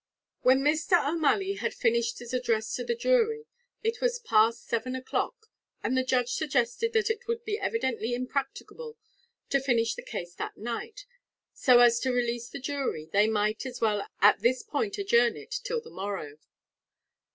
When Mr. O'Malley had finished his address to the jury, it was past seven o'clock, and the judge suggested that as it would be evidently impracticable to finish the case that night, so as to release the jury, they might as well at this point adjourn it till the morrow.